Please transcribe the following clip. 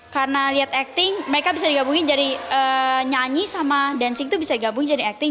karena lihat acting mereka bisa digabungin dari nyanyi sama dancing itu bisa digabungin jadi acting